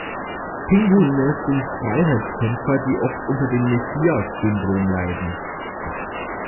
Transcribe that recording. Pinguine sind Freiheitskämpfer, die oft unter dem Messias-Syndrom leiden.